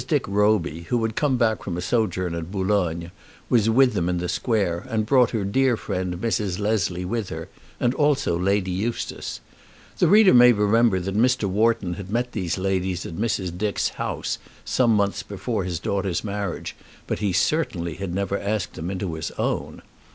Dick Roby, who had come back from a sojourn at Boulogne, was with them in the Square, and brought her dear friend Mrs. Leslie with her, and also Lady Eustace. The reader may remember that Mr. Wharton had met these ladies at Mrs. Dick's house some months before his daughter's marriage, but he certainly had never asked them into his own.